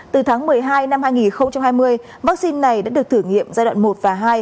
từ tháng một mươi hai năm hai nghìn hai mươi vaccine này đã được thử nghiệm giai đoạn một và hai